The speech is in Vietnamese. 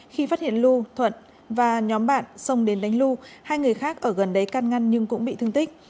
khi phát hiện lu thuận và nhóm bạn xông đến đánh lu hai người khác ở gần đấy can ngăn nhưng cũng bị thương tích